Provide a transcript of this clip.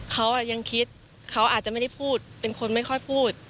เขายังคิดเขาอาจจะไม่ได้พูดเป็นคนไม่ค่อยพูด